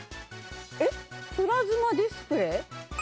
プラズマディスプレイ。